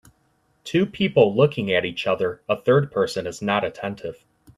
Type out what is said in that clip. Two people looking at each other, a third person is not attentive.